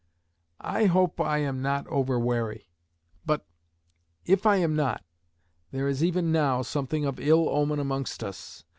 I hope I am not over wary; but, if I am not, there is even now something of ill omen amongst us.